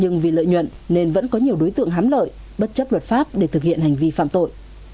nhưng vì lợi nhuận nên vẫn có nhiều đối tượng hám lợi bất chấp luật pháp để thực hiện hành vi phạm tội